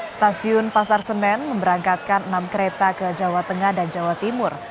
stasiun pasar senen memberangkatkan enam kereta ke jawa tengah dan jawa timur